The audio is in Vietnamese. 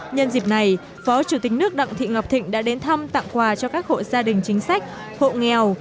nhân dịp này phó chủ tịch nước đặng thị ngọc thịnh đã đến thăm tặng quà cho các hộ gia đình chính sách hộ nghèo